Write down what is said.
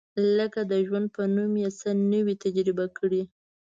لکه د ژوند په نوم یې څه نه وي تجربه کړي.